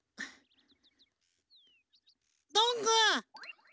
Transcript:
どんぐー。